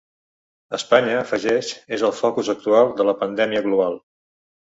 Espanya –afegeix– és ‘el focus actual de la pandèmia global’.